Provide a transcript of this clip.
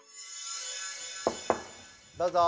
どうぞ。